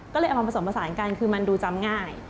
ก็เลยเอามาผสมผสานกันคือมันดูจำง่าย